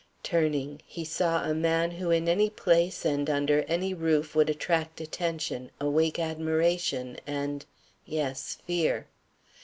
Turning, he saw a man who in any place and under any roof would attract attention, awake admiration and yes, fear.